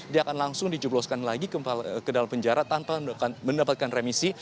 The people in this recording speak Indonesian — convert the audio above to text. dia akan langsung dijebloskan lagi ke dalam penjara tanpa mendapatkan remisi